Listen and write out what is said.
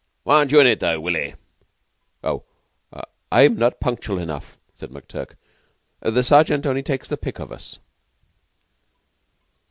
"Why aren't you in it, though, Willy?" "Oh, I'm not punctual enough," said McTurk. "The Sergeant only takes the pick of us."